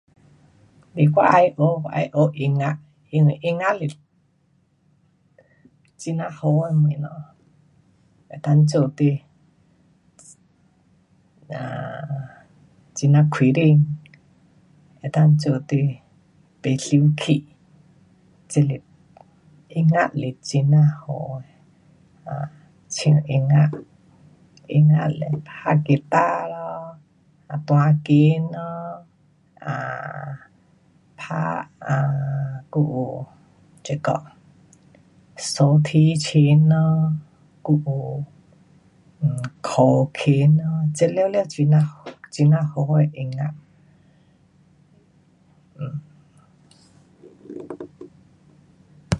若我要学我要学音乐，因为音乐是, 很呀好的东西。能够做你[um]很呀开心。能够做你不生气。这是，音乐是很呐好的。[um]唱音乐，音乐是弹吉他咯，弹琴咯,[um]打[um]鼓这个,手提琴咯，还有口琴咯，这全部很呀,很呀好的音乐。